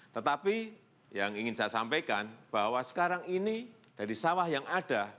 tetapi yang ingin saya sampaikan bahwa sekarang ini dari sawah yang ada